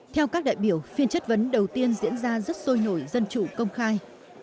theo các đại biểu phiên chất vấn đầu tiên diễn ra rất sôi nổi dân chủ công khai